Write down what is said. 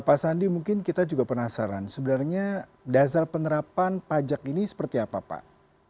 pak sandi mungkin kita juga penasaran sebenarnya dasar penerapan pajak ini seperti apa pak